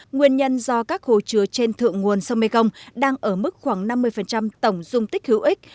nguyên nhân do các hồ chứa trên thượng nguồn sông mê công đang ở mức khoảng năm mươi tổng dung tích hữu ích